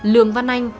lường văn anh